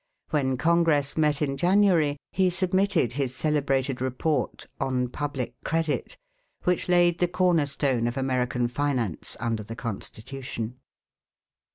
When Congress met in January, he submitted his celebrated report "On Public Credit," which laid the corner stone of American finance under the Constitution.